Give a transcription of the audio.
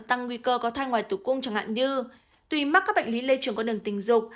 tăng nguy cơ có thai ngoài tử cung chẳng hạn như tùy mắc các bệnh lý lây trường con đường tình dục